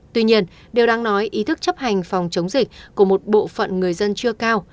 tuy nhiên điều đáng nói ý thức chấp hành phòng chống dịch của một bộ phận người dân chưa cao